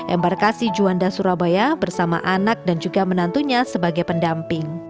embarkasi juanda surabaya bersama anak dan juga menantunya sebagai pendamping